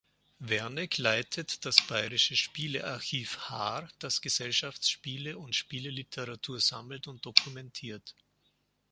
Werneck leitet das Bayerische Spiele-Archiv Haar, das Gesellschaftsspiele und Spiele-Literatur sammelt und dokumentiert.